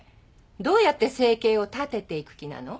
どうやって生計を立てていく気なの？